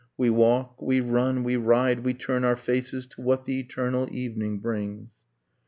We walk, we run, we ride. We turn our faces To what the eternal evening brings.